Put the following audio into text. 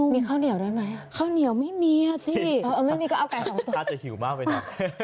มีข้าวเหนียวด้วยไหมข้าวเหนียวไม่มีสิเอาไก่๒ตัวอาจจะหิวมากไปนะ